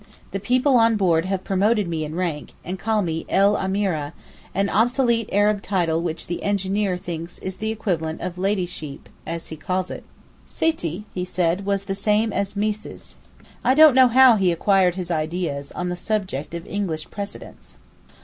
The people on board have promoted me in rank—and call me 'el Ameereh,' an obsolete Arab title which the engineer thinks is the equivalent of 'Ladysheep,' as he calls it. 'Sitti,' he said, was the same as 'Meessees.' I don't know how he acquired his ideas on the subject of English precedence.